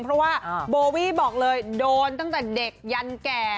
เพราะว่าโบวี่บอกเลยโดนตั้งแต่เด็กยันแก่